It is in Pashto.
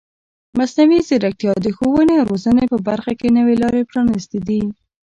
مصنوعي ځیرکتیا د ښوونې او روزنې په برخه کې نوې لارې پرانیستې دي.